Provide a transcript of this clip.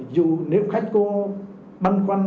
dù nếu khách có băn khoăn